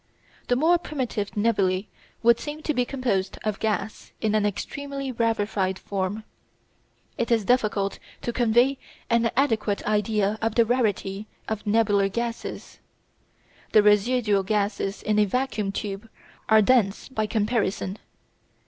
The more primitive nebulæ would seem to be composed of gas in an extremely rarified form. It is difficult to convey an adequate idea of the rarity of nebular gases. The residual gases in a vacuum tube are dense by comparison.